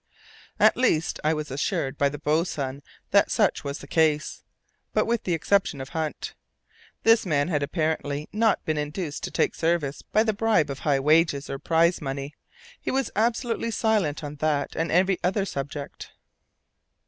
At least, I was assured by the boatswain that such was the case, but with the exception of Hunt. This man had apparently not been induced to take service by the bribe of high wages or prize money. He was absolutely silent on that and every other subject.